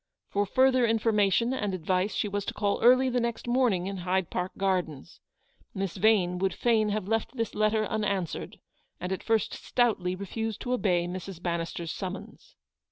For further information and advice she was to call early the next morning in Hyde Park Gardens. Miss Yane would fain have left this letter unanswered, and at first stoutly refused to obey Mrs. Bannister's summons.